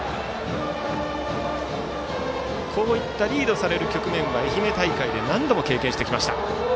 こういったリードされる局面は愛媛大会で何度も経験してきました。